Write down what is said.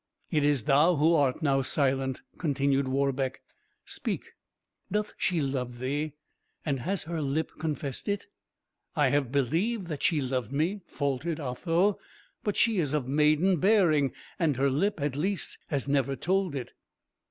"It is thou who art now silent," continued Warbeck; "speak, doth she love thee, and has her lip confessed it?" "I have believed that she loved me," faltered Otho; "but she is of maiden bearing, and her lip, at least, has never told it."